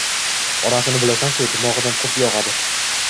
Onasini bilasanku, dimog'idan qurt yog'adi.